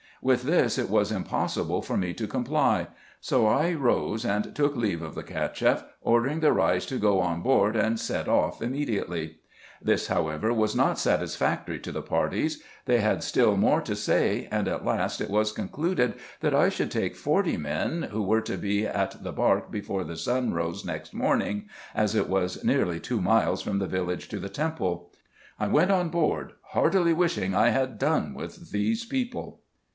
With this it was impossible for me to comply ; so I rose, and took leave of the CachefF, ordering the Eeis to go on board, and set off immediately. Tliis, however, was not satisfactory to the parties ; they had still more to say, and at last it was con cluded, that I should take forty men, who were to be at the bark before the sun rose next morning, as it was nearly two miles from the village to the temple. I went on board heartily wishing I had done with these people.